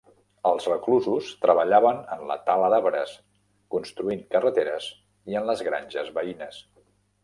Els reclusos treballaven en la tala d'arbres, construint carreteres i en les granges veïnes.